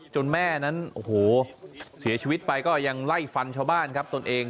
แม่นั้นโอ้โหเสียชีวิตไปก็ยังไล่ฟันชาวบ้านครับตนเอง